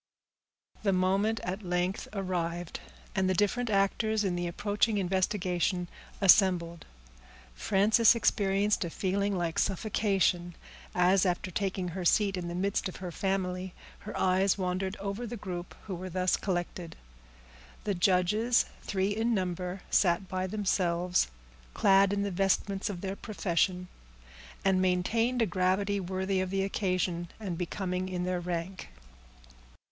The moment at length arrived, and the different actors in the approaching investigation assembled. Frances experienced a feeling like suffocation, as, after taking her seat in the midst of her family, her eyes wandered over the group who were thus collected. The judges, three in number, sat by themselves, clad in the vestments of their profession, and maintained a gravity worthy of the occasion, and becoming in their rank.